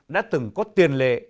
đã từng có tiền lệ